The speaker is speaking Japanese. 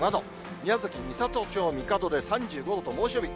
宮崎・美里町神門で３５度と猛暑日。